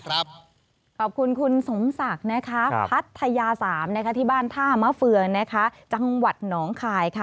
ขอบคุณคุณสมสักพัทยา๓ที่บ้านท่ามะเฟืองจนคาย